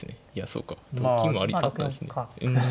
そうか金もあったですね。